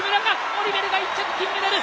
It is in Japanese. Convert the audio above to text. オリベルが１着金メダル！